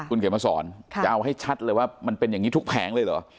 คุณเขียนมาสอนจะเอาให้ชัดเลยว่ามันเป็นอย่างนี้ทุกแผงเลยเหรอ